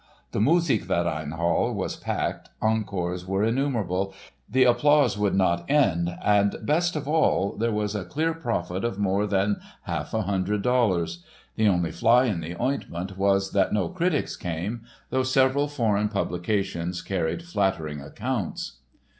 The Musikverein hall was packed, encores were innumerable, the applause would not end and, best of all, there was a clear profit of more than half a hundred dollars. The only fly in the ointment was that no critics came, though several foreign publications carried flattering accounts.